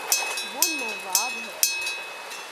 وہ نواب ہے